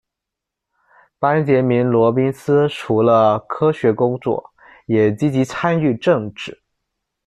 班杰明·罗宾斯除了科学工作，也积极参与政治。